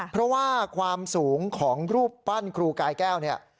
เพราะว่าความสูงของรูปปั้นครูกายแก้วเนี่ย